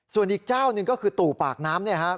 ส่วนอีกเจ้าหนึ่งก็คือตู่ปากน้ำเนี่ยครับ